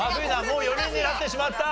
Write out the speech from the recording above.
もう４人になってしまった。